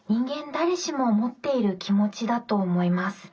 誰しも持っている気持ちだと思います。